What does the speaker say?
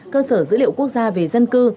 cơ sở dữ liệu quốc gia về dân cư